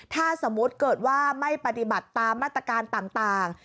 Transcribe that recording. ถ้าสมมุติเกิดว่าไม่ปฏิบัติตามมาตรการต่าง